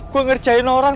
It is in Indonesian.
gue ngerjain orang